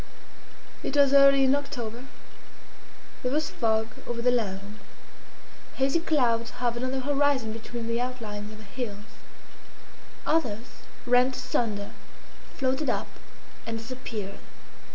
It was early in October. There was fog over the land. Hazy clouds hovered on the horizon between the outlines of the hills; others, rent asunder, floated up and disappeared.